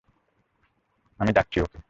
আমি ডাকছি ওকে।